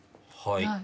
はい。